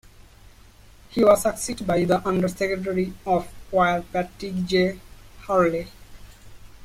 He was succeeded by the Under Secretary of War Patrick J. Hurley.